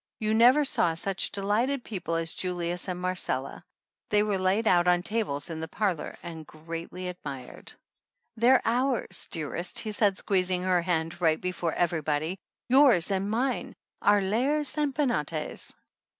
You never saw such delighted people as Julius and Marcella. They were laid out on tables in the parlor and greatly admired. 129 THE ANNALS OF ANN "They're ours, dearest," he said, squeezing her hand right before everybody, "yours and mine! Our Lares and Penates."